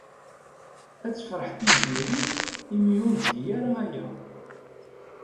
Ad tefṛeḥ Tiziri imi ur tgi ara aya.